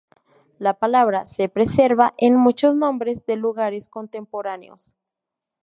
La palabra se preserva en muchos nombres de lugares contemporáneos.